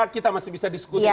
kita masih bisa diskusi